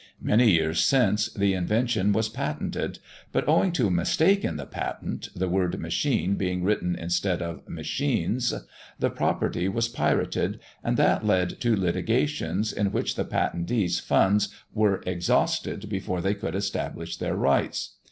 Many years since, the invention was patented; but, owing to a mistake in the patent the word "machine" being written instead of "machines" the property was pirated, and that led to litigations, in which the patentees' funds were exhausted before they could establish their rights.